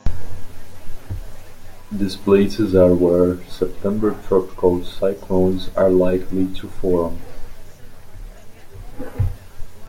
These places are where September tropical cyclones are likely to form.